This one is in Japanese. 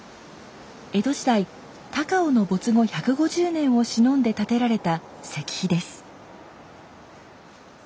江戸時代高尾の没後１５０年をしのんで建てられた石碑です。